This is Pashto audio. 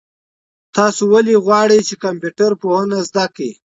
تاسو ولې غواړئ چي کمپيوټر پوهنه زده کړئ؟